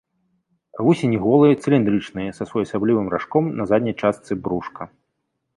Вусені голыя, цыліндрычныя, з своеасаблівым ражком на задняй частцы брушка.